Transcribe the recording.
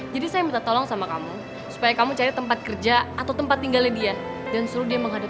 jadi tujuan saya datang kemari